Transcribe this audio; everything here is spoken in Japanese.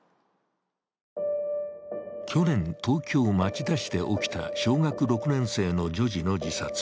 去年、東京・町田市で起きた小学６年生の女児の自殺。